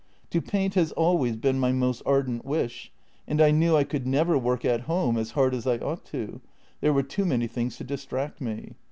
To paint has always been my most ardent wish, and I knew I could never work at home as hard as I ought to; there were too many things to distract me.